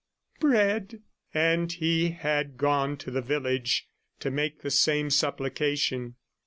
... Bread!" And he had gone to the village to make the same supplication!